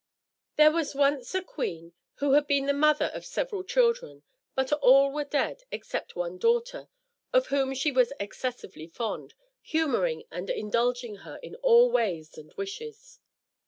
There was once a queen, who had been the mother of several children, but all were dead, except one daughter, of whom she was excessively fond, humouring and indulging her in all her ways and wishes.